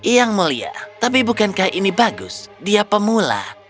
yang mulia tapi bukankah ini bagus dia pemula